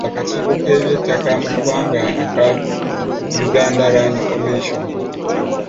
Ensobi eno yakolebwa akakiiko k'ebyettaka mu ggwanga aka Uganda Land Commission